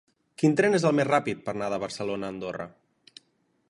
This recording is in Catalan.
Quin tren és el més ràpid per anar de Barcelona a Andorra?